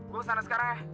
gue sana sekarang ya